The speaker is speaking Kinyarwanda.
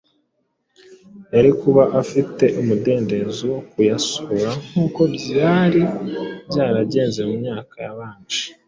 yari kuba afite umudendezo wo kuyasura nk’uko byari byaragenze mu myaka yabanje.